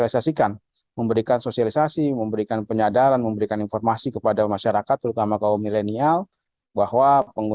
ini harus menjadi salah satu upaya yang dilakukan oleh pemerintah untuk menurunkan impor lpg sebesar satu ratus empat puluh empat juta kilogram sehingga dapat menghemat devisa negara